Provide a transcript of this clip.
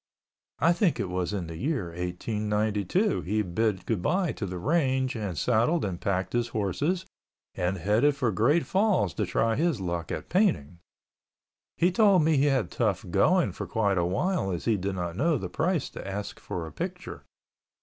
I think it was in the year 1892 he bid goodbye to the range and saddled and packed his horses and headed for Great Falls to try his luck at painting. He told me he had tough going for quite awhile as he did not know the price to ask for a picture.